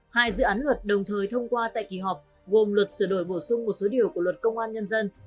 hai dự án luật đồng thời thông qua tại kỳ họp gồm luật sửa đổi bổ sung một số điều của luật công an nhân dân